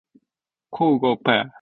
惟独没有法国代表出席。